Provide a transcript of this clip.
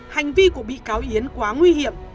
hành vi của bị cáo yến quá nguy hiểm